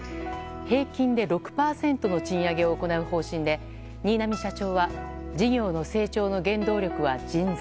平均で６％の賃上げを行う方針で新浪社長は事業の成長の原動力は人材。